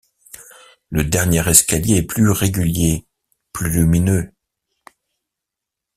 Le dernier escalier est plus régulier, plus lumineux.